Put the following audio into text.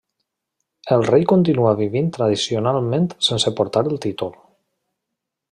El rei continua vivint tradicionalment sense portar el títol.